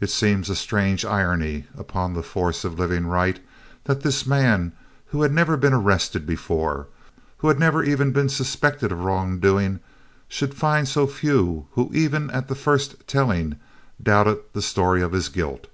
It seems a strange irony upon the force of right living, that this man, who had never been arrested before, who had never even been suspected of wrong doing, should find so few who even at the first telling doubted the story of his guilt.